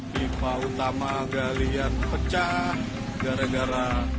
pipa utama galian pecah gara gara